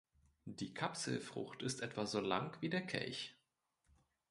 Die Kapselfrucht ist etwa so lang wie der Kelch.